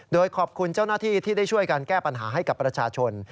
โดยขอบคุณเจ้าหน้าที่ที่ได้ช่วยการแก้ปัญหาให้กับประชาชน